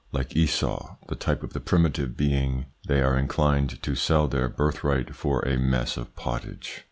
Like Esau the type of the primitive being they are inclined to sell their birthright for a mess of pottage.